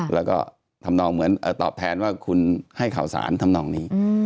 แล้วก็ตอบแทนว่าคุณให้ข่าวสารทำนองนี้